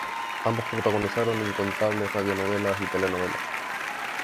Ambos protagonizaron incontables radionovelas y telenovelas.